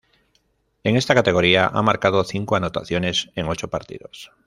En esta categoría ha marcado cinco anotaciones en ocho partidos.